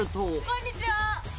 こんにちは！